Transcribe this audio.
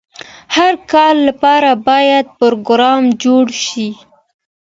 هر کار لپاره باید پروګرام جوړ شي.